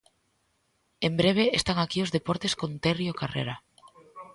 En breve están aquí os deportes con Terio Carrera.